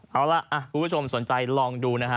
เอาล่ะคุณผู้ชมสนใจลองดูนะฮะ